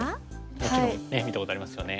もちろん見たことありますよね。